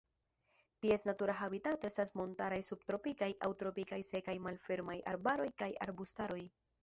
Ties natura habitato estas montaraj subtropikaj aŭ tropikaj sekaj malfermaj arbaroj kaj arbustaroj.